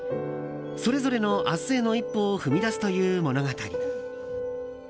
それぞれの明日への一歩を踏み出すという物語。